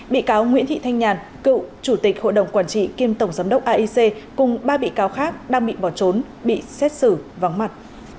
bị cáo nguyễn thị thanh nhàn cựu chủ tịch hội đồng quản trị kiêm tổng giám đốc aic cùng ba bị cáo khác đang bị bỏ trốn bị xét xử vắng mặt